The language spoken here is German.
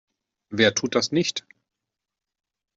Wer tut das nicht?